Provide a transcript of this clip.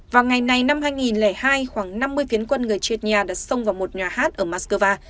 vào ngày này năm hai nghìn hai khoảng năm mươi phiến quân người chia nhau đã xông vào một nhà hát ở moscow